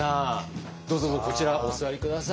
どうぞこちらお座り下さい。